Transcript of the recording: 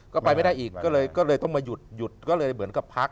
ก็ไปไม่ได้อีกก็เลยต้องมาหยุดเป็นกลับพัก